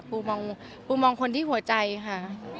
ปูมองคนที่หัวใจค่ะ